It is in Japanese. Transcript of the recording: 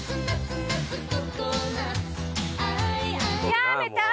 やめた。